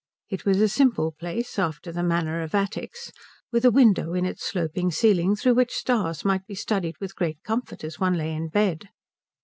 It was a simple place, after the manner of attics, with a window in its sloping ceiling through which stars might be studied with great comfort as one lay in bed.